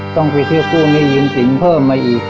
ต้องไปเที่ยวพรุ่งนี้ยืมสินเพิ่มมาอีก